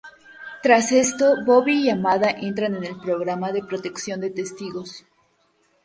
Tras esto, Bobby y Amada entran en el programa de protección de testigos.